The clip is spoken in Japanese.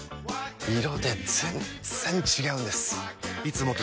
色で全然違うんです！